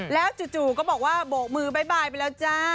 แล้วจู่ก็บอกว่าโบกมือบ๊ายไปแล้วจ้า